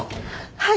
はい！